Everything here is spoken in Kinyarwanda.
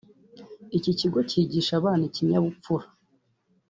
Iki kigo cyigisha abo bana ikinyabupfura